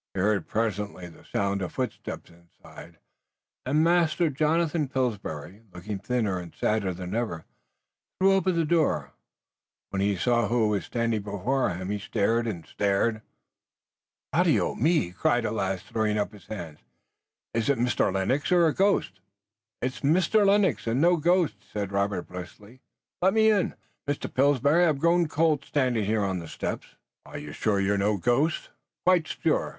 He heard presently the sound of footsteps inside, and Master Jonathan Pillsbury, looking thinner and sadder than ever, threw open the door. When he saw who was standing before him he stared and stared. "Body o' me!" he cried at last, throwing up his hands. "Is it Mr. Lennox or his ghost?" "It's Mr. Lennox and no ghost," said Robert briskly. "Let me in, Mr. Pillsbury. I've grown cold standing here on the steps." "Are you sure you're no ghost?" "Quite sure.